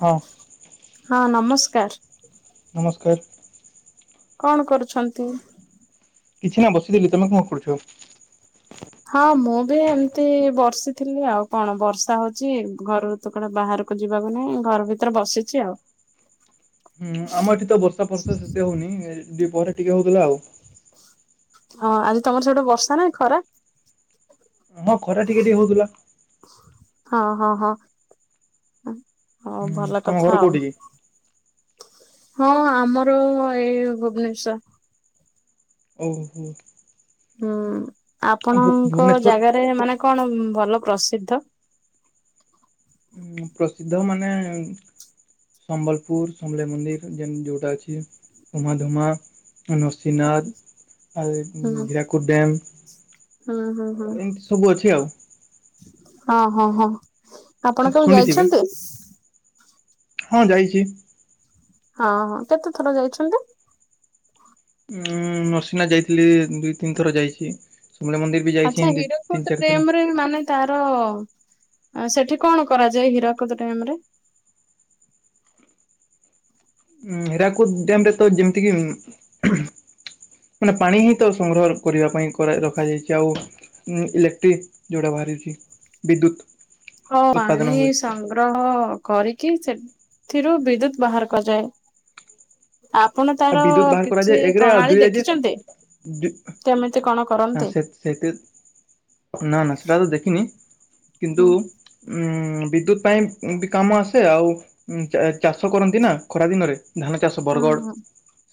ହଁ। ହଁ ନମସ୍କାର। ନମସ୍କାର। କଣ କରୁଛନ୍ତି? କିଛି ନାଇଁ ବସିଥିଲି। ତମେ କଣ କରୁଛ? ହଁ ମୁଁ ବି ଏମିତି ବର୍ଷିଥିଲି ଆଉ କଣ ବର୍ଷା ହଉଚି ଘରୁ ତ କୁଆଡେ ବାହାରକୁ ଯିବାକୁ ନାଇଁ ଘର ଭିତରେ ବସିଚି ଆଉ। ହୁଁ ଆମ ଏଠି ତ ବର୍ଷା ଫର୍ଷା ସେତେ ହଉନି ଏ ଦିପହରେ ଟିକେ ହଉଥିଲା ଆଉ। ହଁ ଆଜି ତମର ସେପଟେ ବର୍ଷା ନା ଖରା? ଆମ ଖରା ଟିକେ ଟିକେ ହଉଥିଲା। ହଁ ହଁ ହଁ ଉଁ ହଉ ହୁଁ ଭଲ ତମ କଥା ଘର ଆଉ। କୋଉଠି କି? ହଁ ଆମର ଏଇ ଭୁବନେଶର୍। ଓହୋ। ହୁଁ ଆପଣଙ୍କ ଭୁବନେଶ୍ୱର ଜାଗାରେ ମାନେ କଣ ଭଲ ପ୍ରସିଦ୍ଧ? ଉଁ ପ୍ରସିଦ୍ଧ ମାନେ। ସମ୍ବଲପୁର ସମଲେଇ ମନ୍ଦିର ଜେନ ଯୋଉଟା ଅଛି। ଉମାଧୁମା ଉନୁସ ଶିନାଥ, ଆ ଏ ହୁଁ ହିରାକୁଦ ଡ୍ୟାମ। ହୁଁ ହୁଁ ହୁଁ ଏମତି ସବୁ ଅଛି ଆଉ। ହଁ ହଁ ହଁ ଆପଣ କେବେ ଶୁଣିଥିବେ ଯାଇଛନ୍ତି? ହଁ ଯାଇଚି। ହଁ ହଁ କେତେ ଥର ଯାଇଚନ୍ତି? ଉଁ ନୁରସିଂନାଥ୍ ଯାଇଥିଲି ଦୁଇ ତିନି ଥର ଯାଇଚି। ସମଲେଇ ମନ୍ଦିର ବି ଯାଇଛି ଆଚ୍ଛା ଏମିତି ତିନି ହୀରାକୁଦ ଚାରି ଥର। ଡ୍ୟାମରେ ମାନେ ତାର ସେଠି କଣ କରାଯାଏ ହୀରାକୁଦ ଡ୍ୟାମ୍ ରେ। ଉ ହୀରାକୁଦ ଡ୍ୟାମ ରେ ତ ଯେମିତି କିି ଉଁ ହୁଁ ମାନେ ପାଣି ହିଁ ତ ସଂଗ୍ରହ କରିବା ପାଇଁ କାର ରଖାଯାଇଛି ଆଉ ଉଁ ଇଲେକ୍ଟ୍ରି ଯୋଉଟା ବାହାରିଛି ବିଦ୍ୟୁତ୍। ହଁ ପାଣି ସଂଗ୍ରହ କରିକି ସେଥିରୁ ବିଦ୍ୟୁତ୍ ବାହାର କରାଯାଏ। ଆପଣ ଆଉ ତାର ବିଦ୍ୟୁତ ବାହାର କିଛି କରାଯାଏ ଏକରେ ଆଉ ପ୍ରଣାଳୀ ଦୁଇରେ ଯେ ଦେଖିଛନ୍ତି ଦୁ କେମିତି କଣ? ନା କରନ୍ତି? ସେ ସେତ ନା ନା ସେଟା ତ ଦେଖିନି କିନ୍ତୁ ହୁଁ ଉଁ ବିଦ୍ୟୁତ ପାଇଁ ବି କାମ ଆସେ ଆଉ ଚାଷ କରନ୍ତି ନା ଖରା ଦିନରେ। ଧାନ ଚାଷ ହୁଁ ବରଗଡ଼ ହୁଁ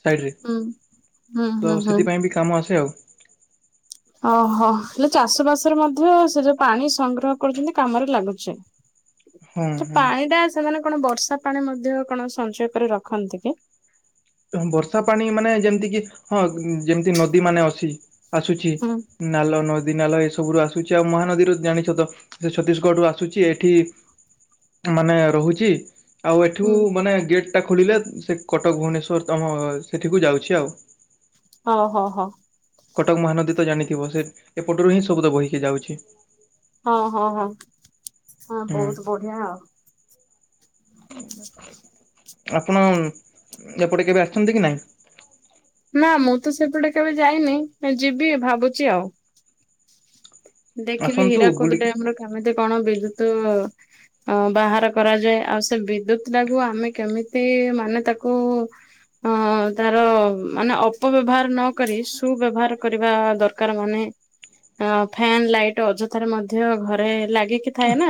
ସାଇଡ଼ରେ ହୁଁ ହୁଁ ହୁଁ ତ ହୁଁ। ସେଥିପାଇଁ ବି କାମ ଆସେ ଆଉ। ଓହୋ ହେଲେ ଚାଷ ବାସରେ ମଧ୍ୟ ସେ ଯୋଉ ପାଣି ସଂଗ୍ରହ କରୁଛନ୍ତି କାମରେ ଲାଗୁଛି। ହଁ ହଁ। ପାଣି ଟା ସେମାନେ କଣ ବର୍ଷା ପାଣି ମଧ୍ୟ କଣ ସଞ୍ଚୟ କରି ରଖନ୍ତି କି? ବର୍ଷା ପାଣି ମାନେ ଯେମିତି କି ହଁ ଯେମିତି ନଦୀ ମାନେ ଅଛି। ଆସୁଛି ହୁଁ ନାଲ ନଦୀ ନଦିନାଲ ଏ ସବୁ ଆସୁଛି ଆଉ ମହାନଦୀରୁ ଜାଣିଛ ତ ସେ ଛତିଶଗଡ ରୁ ଆସୁଛି ଏଠି। ମାନେ ରହୁଛି। ଆଉ ଏଠୁ ହୁଁ ମାନେ ଗେଟ୍ ଟା ଖୋଲିଲେ ସେ କଟକ ଭୁବନେଶ୍ୱର ତମ ସେଠିକୁ ଯାଉଛି ଆଉ। ହଁ ହଁ ହଁ କଟକ ମହାନଦୀ ତ ଜାନିଥିବ ସେ ଏପଟରୁ ହିଁ ସବୁ ତ ବୋହିକି ଯାଉଛି। ହଁ ହଁ ହଁ ହଁ ହୁଁ ବହୁତ୍ ବଢିଆ ଆଉ। ଆପଣ ଏପଟେ କେବେ ଆସନ୍ତି କି ନାଇଁ? ନା ମୁଁ ତ ସେପଟେ କେବେ ଯାଇନି ଯିବି ଭାବୁଛି ଆଉ ଦେଖିବି ଆସନ୍ତୁ ହୀରାକୁୋଦ ବୁଲିକି ଡ୍ୟାମର କେମିତି କଣ ବିଦ୍ୟୁତ୍ ଉ ଅ ବାହାର କରାଯାଏ ଆଉ ସେ ବିଦ୍ୟୁତ୍ ଚାକୁ ଆମେ କେମିତି ମାନେ ତାକୁ। ହଁ ତାର ମାନେ ଅପବ୍ୟବହାର ନକ ସୁବ୍ୟବହାର କରିବା ଦରକାର ମାନେ। ଅ ଫ୍ୟନ୍ ଲାଇଟ୍ ଅଯଥାରେ ମଧ୍ୟ ଘରେ ଲାଗିକି ଥାଏ ନା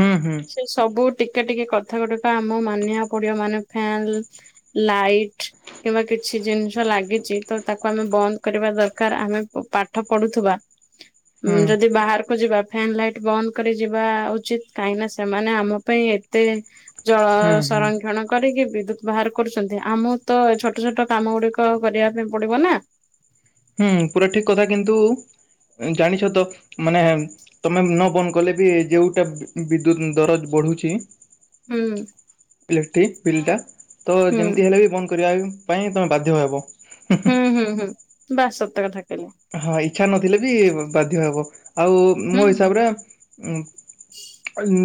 ହୁଁ ହୁଁ ସବୁ ଟିକେ ଟିକେ କଥା ଗୁଡିକ ଆମ ମାନିବା ପଡିବ ମାନେ ଫ୍ୟାନ ଲାଇଟ୍ କିମ୍ବା କିଛି ଜିନିଷ ଲାଗିଛି ତ ତାକୁ ଆମେ ବନ୍ଦ୍ କରିବା ଦରକାର ଆମେ ପାଠ ପଢୁଥୁବା ହୁଁ ଯଦି ବାହାରକୁ ଯିବା। ଫ୍ୟନ୍ ଲାଇଟ୍ ବନ୍ଦ କରି ଯିବା ଉଚିତ୍ କାହିଁକିନା ସେମାନେ ଆମ ପାଇଁ ଏତେ। ଜଳ ହୁଁ ହୁଁ ସଂରକ୍ଷଣ। କରିକି ବିଦ୍ୟୁତ୍ ବାହାର କରୁଛନ୍ତି ଆମ ତ ଛୋଟ ଛୋଟ କାମ ଗୁଡିକ କରିବା ପାଇଁ ପଡି଼ବ ନା ହୁଁ ପୁରା ଠିକ କଥା କିନ୍ତୁ ଜାଣିଛ ତ ମାନେ ତମେ ମୁହଁ ବନ୍ଦ କଲେ ବି ଯେଉଟା ବିଦ୍ୟୁତ ଦରଜ ବଢୁଛି। ହୁଁ ଇଲେକ୍ଟ୍ରିକ ବିଲ୍ ଟା ତ ହୁଁ ଯେମିତି ହେଲେ ବି ବନ୍ଦ କରିବା ପାଇଁ ତମେ ବାଧ୍ୟ ହବ। ହୁଁ ହୁଁ ହୁଁ ବାସ୍ ସତ କଥା କହିଲେ। ହଁ ଇଚ୍ଛା ନଥିଲେ ବି ବାଧ୍ୟ ହବ ଆଉ ହୁଁ ମୋ ହିସାବରେ ଉଁ ନ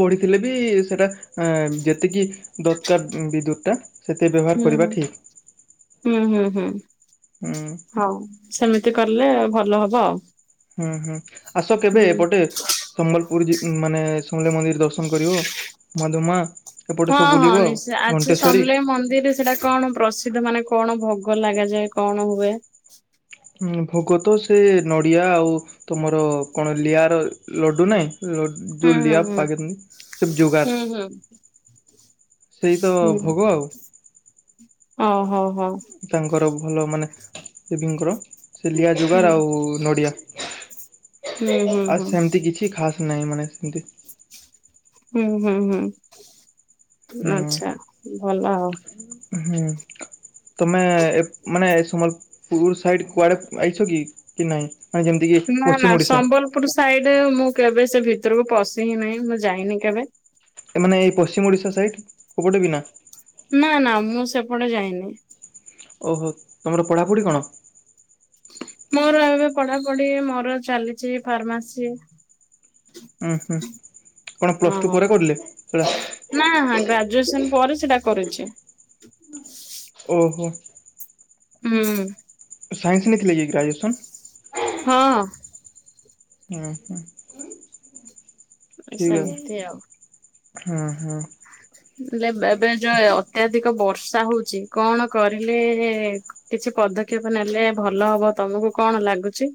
ବଢି଼ଥିଲେ ବି ସେଟା ଯେତିକି। ଦତ୍କାର ବିଦ୍ୟୁତ୍ ଟା। ସେତେ ବ୍ୟବହାର ହୁଁ କରିବା ହୁଁ ଠିକ୍ ହୁଁ ହୁଁ ହୁଁ ହୁଁ ହଉ ସେମିତି କଲେ ଭଲ ହବ ଆଉ। ହୁଁ ହୁଁ ଆସ କେବେ ହୁଁ। ଏପଟେ। ସମ୍ବଲପୁର୍ ମାନେ ସମଲେଇ ମନ୍ଦିର ଦର୍ଶନ କରିବ ମାଧୁମା ହଁ ହଁ ନିଶ୍ଚୟ ଆଚ୍ଛା ସମଲେଇ ମନ୍ଦିରରେ ସେଇଟା କଣ? ପ୍ରସିଦ୍ଧ ମାନେ କଣ ଭୋଗ ଲାଗାଯାଏ କଣ ହୁଏ। ଭୋଗ ତ ସେ ନଡ଼ିଆ ଆଉ। ତମର କଣ ଲିଆର ଲଡୁ ନାହିଁ ଲଡୁ ହୁଁ ଯୋ ହୁଁ ଲିଆର ହୁଁ। ପାଗେକାନି ସବମ ଜୋଗାର୍ ହୁଁ ହୁଁ। ସେଇ ତ ଭୋଗ ଆଉ ଓ ହୋ ହୋ ତାଙ୍କର ଭଲ ମାନେ ଦେବୀଙ୍କର ସେ ଲିଆ ହୁଁ। ଯୁଗାର ଆଉ ନଡ଼ିଆ। ହୁଁ ହୁଁ ଆଉ ହୁଁ ସେମିତି କିଛି ଖାସ ନାହିଁ ମାନେ ସେମତି ହୁଁ ହୁଁ ହୁଁ ହୁଁ ଆଛା ଭଲ ଆଉ ହୁଁ ତମେ ମାନେ ଏ ସମଲ ପୁର ସାଇଡ କୁଆଡେ ଆଇଛ କି କି ନାଇଁ ମାନେ ଯେମତି ନା ନା ସମ୍ବଲପୁର ସାଇଡ ମୁଁ କେବେ ସେ ଭିତରକୁ ପଶି ହି ନାହିଁ ମୁଁ ଯାଇନି କେବେ। ଏମାନେେ ଏଇ ପଶ୍ଚିମ ଓଡ଼ିଶା ସାଇଟ୍ କଉଁପଟେ ବିନ। ନା ନା ମୁଁ ସେପଟେ ଯାଇନି। ଓହୋ ତମର ପଢ଼ାପଢ଼ି କଣ? ମୋର ଏବେ ପଢାପଢି ମୋର ଚାଲିଛି ଫାର୍ମାସି। ହଁ ହମ୍ଁ ଓହୋ ନା ଗ୍ରାଜୁଏସନ ପରେ ସେଟା କରୁଛି। ଓହୋ। ହୁଁ ସାଇନସ ନେଇଥିଲେ କି ଗ୍ରାଜୁଏସନ୍? ହଁ ହୁଁ ହଁ ଠିକ ଅ ସେମିତି ଆଉ। ହଁ ହଁ। ହେଲେ ଏବେ ଯୋୟ ଅତ୍ୟଧିକ ବର୍ଷା ହଉଛି କଣ କରିଲେ କିଛି ପଦକ୍ଷେପ ନେଲେ ଭଲ ହବ, ତମକୁ କଣ ଲାଗୁଛି?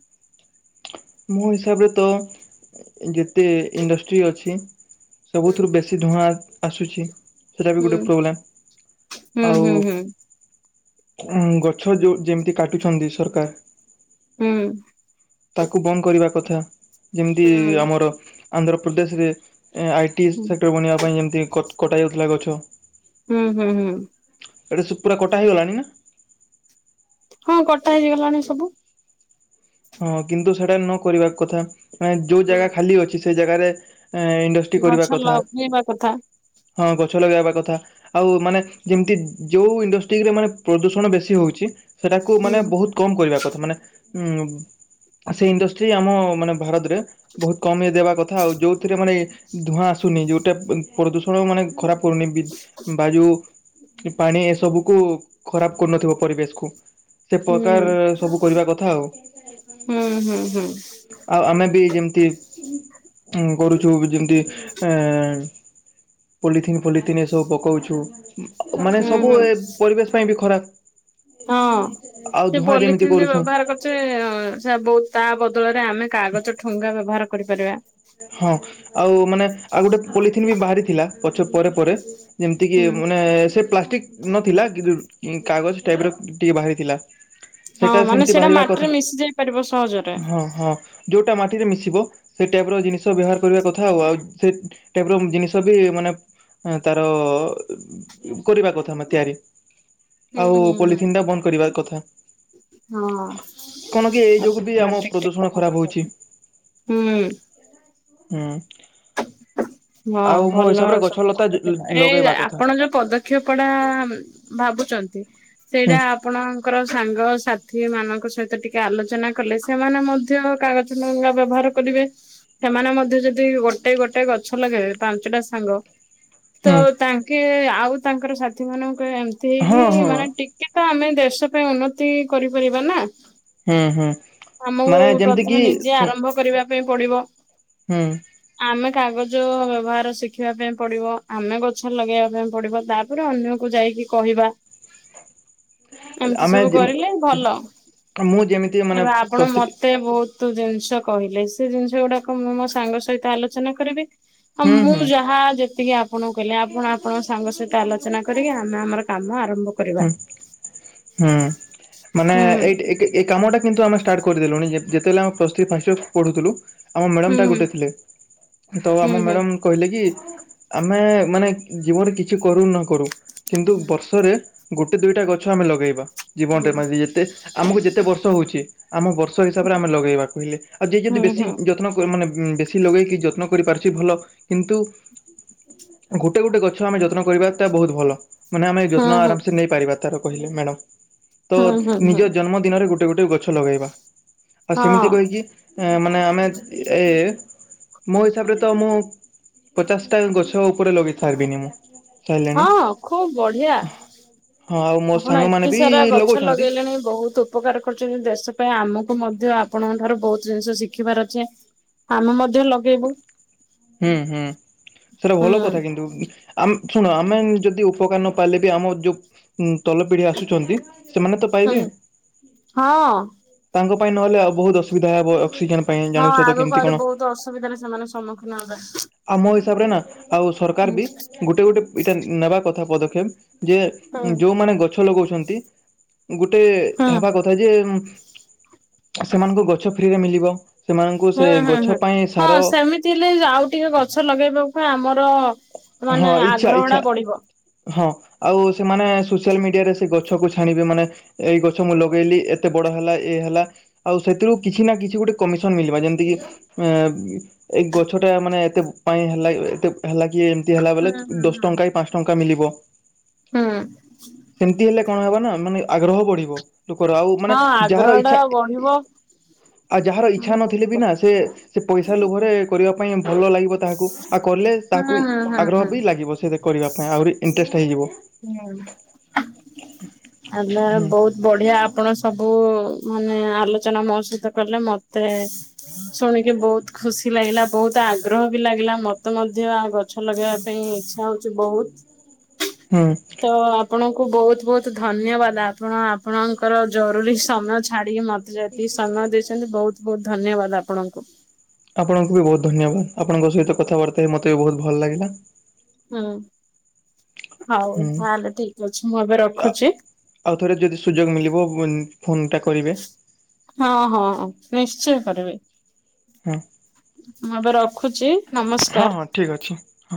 ମୋ ହିସାବରେ ତ ଯେତେ ଇଣ୍ଡଷ୍ଟ୍ରି ଅଛି ସବୁଥିରୁ ହୁଁ ବେଶୀ ଧୂଆଁ ଆସୁଛି। ସେଇଟା ବି ଗୋଟେ ପ୍ରୋବ୍ଲେମ୍। ହୁଁ ଆଉ ହୁଁ ହୁଁ ଉ ଗଛ ଯଉ ଯେମିତି କାଟୁଛନ୍ତି ସରକାର ହୁଁ। ତାକୁ ବନ୍ଦ କରିବା କଥା, ଯେମିତି ହୁଁ ଆମର ଆନ୍ଧ୍ରପ୍ରଦେଶରେ ଆଇ ଟି ହୁଁ। ସେକ୍ଟର ବନିବା ପାଇଁ ଯେମିତି କଟା ଯାଉଥିଲା ଗଛ। ହୁଁ ହୁଁ ହୁଁ ଏଟି ସୁ ପୁରା କଟା ହେଇଗଲାଣି ନା? ହଁ କଟା ହେଇଯଗଲାଣି ସବୁ। ହଁ କିନ୍ତୁ ସେଟା ନ କରିବା କଥା ମାନେ ଯୋଉ ହୁଁ ଜାଗା ଖାଲି ଅଛି ସେଇ ଜାଗାରେ ଇନ ଗଛ କରିବା କଥା ଲଗେଇବା କଥା ହଁ ଗଛ ଲଗେଇବା କଥା। ଆଉ ମାନେ ଯେମିତି ଯୋଉ ଇଣ୍ଡଷ୍ଟ୍ରିରେ ମାନେ ପ୍ରଦୂଷଣ ବେଶୀ ହଉଛି ସେଇଟାକୁ ହୁଁ ମାନେ ବହୁତ କମ୍ କରିବା କଥା। ମାନେ ଉଁ ସେଇ ଇଣ୍ଡଷ୍ଟ୍ରି ଆମ ମାନେ ଭାରତରେ ବହୁତ କମେଇ ଦେବା କଥା ଆଉ ଯୋଉଥିରେ ମାନେ ଧୂଆଁ ଆସୁନି ଯୋଉଟା ପ୍ରଦୂଷଣ ମାନେ ଖରାପ ପଡୁନି। ବାଯୁ ପାଣି ଏ ସବୁକୁ ଖରାପ କରୁନଥିବ ପରିବେଶକୁ। ସେ ହୁଁ। ପ୍ରକାର ସବୁ କରିବା କଥା ଆଉ। ହୁଁ ହୁଁ ହୁଁ। ଆଉ ଆମେ ବି ଯେମିତି କରୁଛୁ ଯେମିତି ଏଁ ପଲିଥିନ୍ ଫଲିଥିନ ଏସବୁ ପକଉଛୁ, ମାନେ ହୁଁ ସବୁ ଏ ପରିବେଶ ପାଇଁ ବି ହଁ। ଖରାପ। ଆଉ ସେ ଧୂଆଁ ଯେମିତି ପଲିଥିନ୍ ଯେ କରୁଛୁ ବ୍ୟବହାର କରୁଛେ ସେ ବହୁ ତା ବଦଳରେ ଆମେ କାଗଜ ଠୁଙ୍ଗା ବ୍ୟବହାର କରିପାରିବା। ହଁ ଆଉ ମାନେ ଆଉ ଗୋଟେ ପଲିଥିନ୍ ବି ବାହାରିଥିଲା, ପଛ ପରେ ପରେ। ଯେମିତି କିି ହୁଁ ମାନେ ସେ ପ୍ଲାଷ୍ଟିକ ନଥିଲା, କି କାଗଜ ଟାଇପର ଟିକେ ବାହାରିଥିଲା। ହଁ ସେଇଟା ମାନେ ସେମିତି ବାହାରିବା ମାଟିରେ କଥା ମିଶି ଯାଇ ପାରିବ ସହଜରେ। ହଁ ହଁ ଯେଉଁଟା ମାଟିରେ ମିଶିବ। ଟାଇପର ଜିନିଷ ବ୍ୟବହାର କରିବା କଥାଆଉ ଆଉ ସେ ଟାଇପର ଜିନିଷ ବି ମାନେ ତାର କରିବା କଥାନା ତିଆରି। ହୁଁ ଆଉ ହୁଁ ହୁଁ ପଲିଥିନ୍ ଟା ବନ୍ଦ କରିବାର କଥା। କଣ କି ଏଇ ହଁ ଯୋଗୁ ବି [inaudible] ଆମ ପ୍ରଦୂଷଣ ଖରାପ ହଉଛି ହୁଁ। ହୁଁ। ହଁ ଆଉ ମୋ ଭଲ ହିସାବରେ ଗଛଲତା ଲଗେଇବା କଥା। ପଦକ୍ଷେପଟା ଭାବୁଛନ୍ତି ହୁଁ ସେଇଟା ଆପଣଙ୍କର ସାଙ୍ଗସାଥି ମାନଙ୍କ ସହିତ ଟିକେ ଆଲୋଚନା କଲେ ସେମାନେ ମଧ୍ୟ କାଗଜ ଠୁଙ୍ଗା ବ୍ୟବହାର କରିବେ। ସେମାନେ ମଧ୍ୟ ଯଦି ଗୋଟେ ଗୋଟେ ଗୋଟେ ଗଛ ଲଗେଇବେ ପାଞ୍ଚଟା ସାଙ୍ଗ ତ ହୁଁ ତା ଟିକେ ଆଉ ତାଙ୍କର ସାଥି ମାନଙ୍କୁ ଏମତି ହେଇକି ହଁ ହଁ ମାନେ ଟିକେ ତ ଆମେ ଦେଶ ପାଇଁ ଉନ୍ନତି କରିପାରିବା ନା। ହୁଁ ହୁଁ ଆମକୁ ମାନେ ଯେମିତି ପ୍ରଥମେ କିି ନିଜେ ଶୁ ଆରମ୍ଭ କରିବା ପାଇଁ ପଡିବ। ହୁଁ। ଆମେ କାଗଜ ବ୍ୟବହାର ଶିଖିବା ପାଇଁ ପଡିବ ଆମେ ଗଛ ଲଗେଇବାକୁ ପଡିବ ତାପରେ ଅନ୍ୟକୁ ଯାଇକି କହିବା ଏମିତି ଆମେ ସବୁ ଯେ କରିଲେ ଭଲ। ମୁଁ ଯେମିତି ମାନେ ପ୍ରସ୍ତୁତି ତେ ବହୁତ ଜିନିଷ କହିଲେ ସେ ଜିନିଷ ଗୁଡା ମୁଁ ମୋ ସାଙ୍ଗ ସହିତ ଆଲୋଚନା କରିବି। ହଁ ହୁଁ ମୁଁ ହୁଁ ଯାହା ଯେତିକି ଆପ ଆପଣଙ୍କୁ କହିଲି। ଆପଣ ଆପଣଙ୍କ ସାଙ୍ଗ ସହିତ ଆଲୋଚନା କରିକି ଆମେ ଆମର କାମ ଆରମ୍ଭ କରିବା। ହୁଁ ହୁଁ ମାନେ ହୁଁ ଏଇଟ୍ ଏଇଟା ଏ କାମଟା କିନ୍ତୁ ଆମେ ଷ୍ଟାର୍ଟ କରିଦେଲୁଣି ଯେତ ଜେତେବେଲେ ଆମେ ପ୍ଲସ ଥ୍ରୀ ଫାଷ୍ଟ ଇଅର ପଢୁଥିଲୁ। ଆମ ହୁଁ ମ୍ୟାଡ଼ମ୍ ଟା ହୁଁ ଗୋଟେ ଥିଲେ ତ ଆମ ହୁଁ ହୁଁ ମ୍ୟାଡ଼ମ୍ କହିଲେ କି ଆମେ ମାନେ ଜୀବନରେ କିଛି କରୁ ନ କରୁ କିନ୍ତୁ ବର୍ଷରେ ଗୋଟେ ଦୁଇଟା ଗଛ ଆମେ ଲଗେଇବା। ଜୀବନରେ ମାନେ ଯେତେ ଆମକୁ ଯେତେ ବର୍ଷ ହୋଉଛି ଆମ ବର୍ଷ ହିସାବରେ ଆମେ ଲଗେଇବା କହିଲେ। ଆଉ ଯିଏ ଯଦି ହୁଁ ହୁଁ। ବେଶୀ ଯତ୍ନ କ ମାନେ ବେଶୀ ଲଗେଇକି ଯତ୍ନ କରିପାରୁଛି ଭଲ କିନ୍ତୁ ଗୋଟେ ଗୋଟେ ଗଛ ଆମେ ଯତ୍ନ କରିବା ତା ବହୁତ ଭଲ ମାନେ ଆମେ ହୁଁ ଯତ୍ନ ହୁଁ ହୁଁ ଆରାମ ସେ ନେଇପାରିବା। ତାର କହିଲେ ମ୍ୟାଡ଼ନ ହୁଁ ତ ହୁଁ ନିଜ ଜନ୍ମ ଦିନରେ ଗୋଟେ ଗୋଟେ ଗଛ ଲଗେଇବା। ଆଉ ହଁ ସେମିତି କହିକି ମାନେ ଆମେ ଏ ମୋ ହିସାବରେ ତ ମୁଁ ପଚାଶ ଟା ଗଛ ଉପରେ ଲଗେଇ ସାରିବିନି ମୁଁ। ସାରିଲିଣି ହଁ ଖୁବ ବଢିଆ। ହଁ ଆଉ ମୋ ଆପଣ ସାଙ୍ଗମାନେ ଏତେ ବି ସାରା ଗଛ ଲଗଉଛନ୍ତି ଲଗେଇଲେଣି ବହୁତ। ଉପକାର କରୁଛନ୍ତି ଦେଶ ପାଇଁ ଆମକୁ ମଧ୍ୟ ଆପଣଙ୍କ ଠାରୁ ବହୁତ ଜିନିଷ ଶିଖିବାର ଅଛି। ଆମେ ମଧ୍ୟ ଲଗେଇବୁ। ହୁଁ ହୁଁ ସେଟା ହୁଁ। ଭଲ କଥା କିନ୍ତୁ। ଆମ ଶୁଣ ଆମେ ଯଦି ଉପକାର ନପାଇଲେ ବି ଆମ ଯୋଉ ତଲ ପିଢି ଆସୁଛନ୍ତି ସେମାନେ ତ ହୁଁ। ପାଇବେ। ହଁ। ତାଙ୍କ ପାଇଁ ନହେଲେ ଆଉ ବହୁତ ଅସୁବିଧା ହେବ ଅକ୍ସିଜେନ ପାଇଁ ହଁ ଜାଣୁଛ ତ ଆଗକୁ କେମିତି ଆହୁରି କଣ। ବହୁତ ଅସୁବିଧାରେ ସେମାନେ ସମ୍ମୁଖୀନ ହେବେ। ଆମ ହିସାବରେ ନା ଆଉ ସରକାର ହୁଁ ବି ଗୋଟେ ଗୋଟେ ଏଇଟା ନେବା କଥା ପଦକ୍ଷେପ। ଯେ ହୁଁ ଯୋଉମାନେ ଗଛ ଲଗଉଛନ୍ତି ଗୋଟେ ହୁଁ ହେବା କଥା ଯେ ସେମାନଙ୍କୁ ଗଛ ଫ୍ରିରେ ମିଳିବ ସେମାନଙ୍କୁ ସେ ଗଛ ପାଇଁ ସାର ଥିଲେ ଆଉ ଟିକେ ଗଛ ଲଗେଇବା ପାଇଁ ଆମର ହଁ ମାନେ ଇଚ୍ଛା ଆଗ୍ରହ ଇଚ୍ଛା ଟା ବଢିବ। ହଁ ଆଉ ସେମାନେ ସୋସିଆଲ ମିଡିଆରେ ସେ ଗଛକୁ ଛାଣିବେ ମାନେ ଏଇ ଗଛ ମୁଁ ଲଗେଇଲି ଏତେ ବଡ ହେଲା ଏଇ ହେଲା। ଆଉ ସେଥିରୁ କିଛି ନା କିଛି ଗୋଟେ କମିଶନ ମିଳିବା ଯେମିତି କି ଏ ଏଇ ଗଛ ଟା ମାନେ ଏତେ ପାଇଁ ହେଲା ଏତେ ହେଲା କି ତି ହୁଁ ହେଲାବଲେ ହୁଁ ଦଶ ହୁଁ। ଟଙ୍କା କି ପାଞ୍ଚ ଟଙ୍କା ମିଳିବ। ହୁଁ ସେମିତି ହେଲେ କଣ ହେବ ନା ମାନେ ଆଗ୍ରହ ବଢିବ। ଲୋକର ଆଉ ମାନେ ହଁ ଯାହାର ଆଗ୍ରହ ଟା ଇଛା ବଢିବ। ଆଉ ଯାହାର ହୁଁ ଇଚଛା ନଥିଲେ ବି ନା ସେ ସେ ପଇସା ଲୋଭରେ କରିବା ପାଇଁ ଭଲ ଲାଗିବ ତାହାକୁ ଆଉ କଲେ ତାହାକୁ ହୁଁ ହୁଁ ଆଗ୍ରହ ହୁଁ। ବି ଲାଗି ଯିବ ସେ କରିବା ପାଇଁ ଆହୁରି ଇଣ୍ଟରେଷ୍ଟ ହେଇଯିବ। ହୁଁ ଆ ହୁଁ ବହୁତ ବଢିଆ ଆପଣ ସବୁ ମାନେ ଆଲୋଚନା ମୋ ସହିତ କଲେ ମତେ ଶୁଣିକି ବହୁତ ଖୁସି ଲାଗିଲା। ବହୁତ ଆଗ୍ରହ ବି ଲାଗିଲା ମତେ ମଧ୍ୟ ଗଛ ଲଗେଇବା ପାଇଁ ଇଚ୍ଛା ହଉଚି ବହୁତ। ହଁ। ତ ଆପଣଙ୍କୁ ବହୁତ ବହୁତ ଧନ୍ୟବାଦ। ଆପଣ ଆପଣଙ୍କର ଜରୁରୀ ସମୟ ଛାଡ଼ି ମ ତି ସମୟ ଦେଇଚନ୍ତି ବହୁତ ବହୁତ ଧନ୍ୟବାଦ ଆପଣଙ୍କୁ। ଆପଣଙ୍କୁ ବି ବହୁତ ଧନ୍ୟବାଦ ଆପଣଙ୍କ ସହିତ କଥାବାର୍ତ୍ତା ହେଇକି ମତେ ବି ବହୁତ ଭଲ ଲାଗିଲା। ହୁଁ ହଉ ହୁଁ ତାହଲେ ଠିକ ଅଛି ମୁଁ ଏବେ ରଖୁଚି। ଆଉଥରେ ଯଦି ସୁଯୋଗ ମିଳିବ ଫୋ ଫୋନ ଟା କରିବେ। ହଁ ହଁ ନିଶ୍ଚୟ କରିବେ। ହଁ ମୁଁ ଏବେ ରଖୁଚି ହଁ ନମସ୍କାର। ହଁ ଠିକ୍ ଅଛି। ହଁ